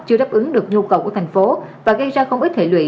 chưa đáp ứng được nhu cầu của thành phố và gây ra không ít hệ lụy